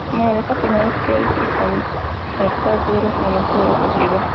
La moraleja final es que hay que concertar todos los elementos de la sociedad.